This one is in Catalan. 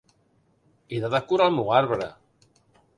He de decorar el meu arbre.